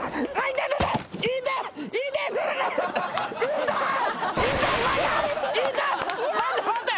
痛い待って待って。